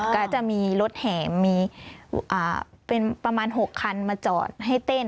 ก็จะมีรถแห่มีเป็นประมาณ๖คันมาจอดให้เต้น